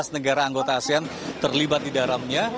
sebelas negara anggota asean terlibat di dalamnya